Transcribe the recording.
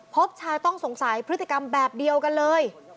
พบชายต้องสงสัยพฤติกรรมแบบเดียวกันเลย